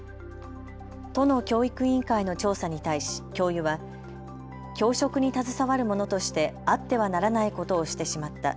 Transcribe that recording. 都の教育委員会の調査に対し教諭は教職に携わるものとしてあってはならないことをしてしまった。